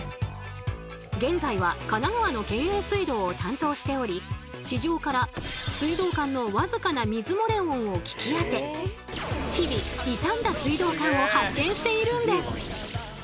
現在は神奈川の県営水道を担当しており地上から水道管の僅かな水漏れ音を聞きあて日々傷んだ水道管を発見しているんです。